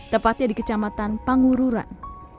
tepatnya di kecamatan pangururan